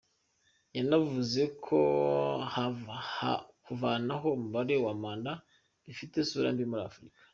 Yanavuze ko kuvanaho umubare wa manda bifite isura mbi muri Afurika.